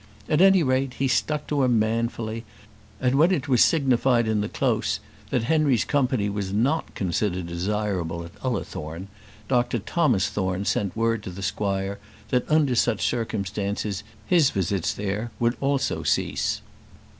At any rate, he stuck to him manfully; and when it was signified in the Close that Henry's company was not considered desirable at Ullathorne, Dr Thomas Thorne sent word to the squire that under such circumstances his visits there would also cease.